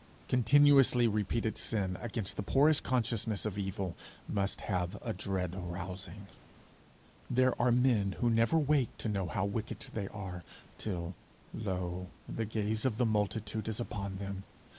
Continuously repeated sin against the poorest consciousness of evil must have a dread rousing. There are men who never wake to know how wicked they are, till, lo, the gaze of the multitude is upon them!